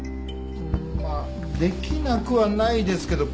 うーんまあできなくはないですけど。